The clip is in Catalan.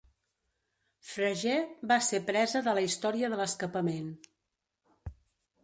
Frager va ser presa de la història de l'escapament.